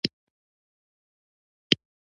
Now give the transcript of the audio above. تعلیم نجونو ته د شعر او ادب ذوق ورکوي.